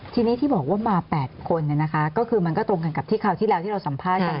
ทีนี้ที่บอกว่ามา๘คนเนี่ยนะคะก็คือมันก็ตรงกันกับที่คราวที่เราสัมภาษณ์กัน